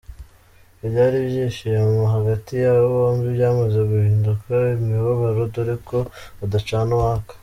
Ibyari ibyishimo hagati y’aba bombi byamaze guhinduka imibabaro dore ko badacana uwaka.